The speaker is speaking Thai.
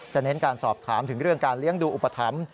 เน้นการสอบถามถึงเรื่องการเลี้ยงดูอุปถัมภ์